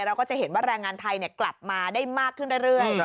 เราก็จะเห็นว่าแรงงานไทยกลับมาได้มากขึ้นเรื่อย